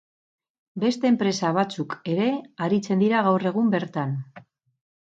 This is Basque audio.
Beste enpresa batzuk ere aritzen dira gaur egun bertan.